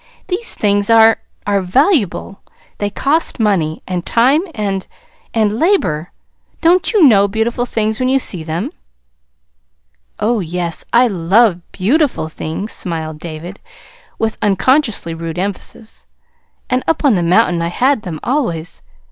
These things are are valuable. They cost money, and time and and labor. Don't you know beautiful things when you see them?" "Oh, yes, I love BEAUTIFUL things," smiled David, with unconsciously rude emphasis. "And up on the mountain I had them always.